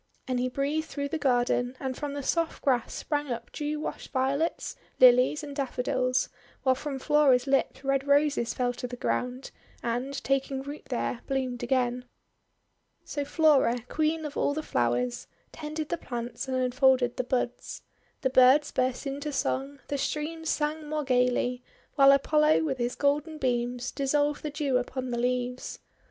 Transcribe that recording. And he breathed through the garden, and from the soft grass sprang up dew washed Violets, Lilies, and Daffodils; while from Flora's lips Red Roses fell to the ground, and, taking root there, bloomed again. So Flora, Queen of all the Flowers, tended the plants and unfolded the buds. The birds burst into song, the streams sang more gayly, while Apollo with his golden beams dissolved the Dew upon the leaves.